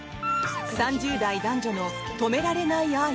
３０代男女の止められない愛。